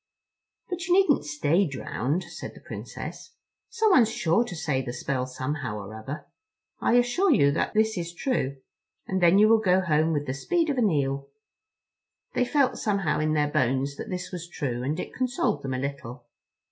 "But you needn't stay drowned," said the Princess. "Someone's sure to say the spell somehow or other. I assure you that this is true; and then you will go home with the speed of an eel." They felt, somehow, in their bones that this was true, and it consoled them a little.